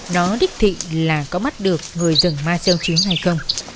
nó đích thị là có mắt được người rừng mà xeo chứ hay không